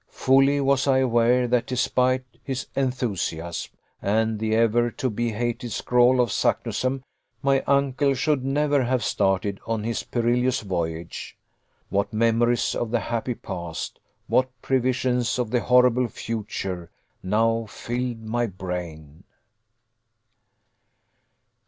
Fully was I aware that, despite his enthusiasm, and the ever to be hated scroll of Saknussemm, my uncle should never have started on his perilous voyage. What memories of the happy past, what previsions of the horrible future, now filled my brain!